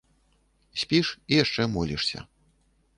Спіш і яшчэ молішся.